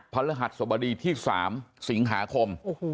พระฤหัสสบดีที่๓สิงหาคม